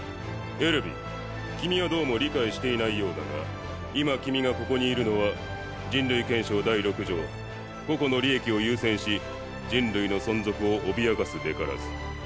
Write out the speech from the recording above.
エルヴィン君はどうも理解していないようだが今君がここにいるのは人類憲章第６条「個々の利益を優先し人類の存続を脅かすべからず」